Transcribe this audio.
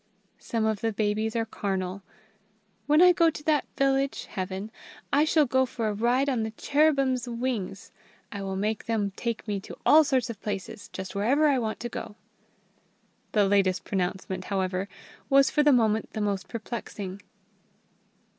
Some of the babies are carnal: "When I go to that village (Heaven), I shall go for a ride on the cherubim's wings. I will make them take me to all sorts of places, just wherever I want to go." The latest pronouncement, however, was for the moment the most perplexing.